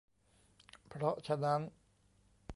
เพราะฉะนั้น